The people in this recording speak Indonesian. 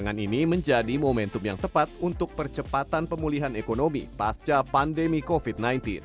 perdagangan ini menjadi momentum yang tepat untuk percepatan pemulihan ekonomi pasca pandemi covid sembilan belas